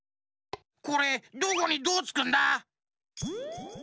これどこにどうつくんだ？